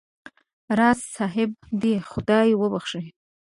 راز صاحب دې خدای وبخښي.